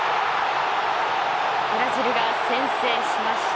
ブラジルが先制しました。